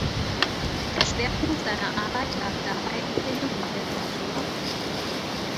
Der Schwerpunkt seiner Arbeit lag dabei auf der Jugendliteratur.